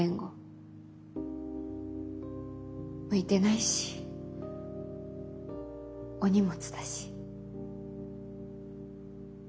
向いてないしお荷物だし。